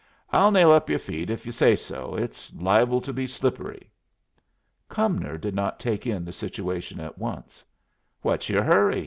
I'll nail up yer feet if y'u say so. It's liable to be slippery." Cumnor did not take in the situation at once. "What's your hurry?"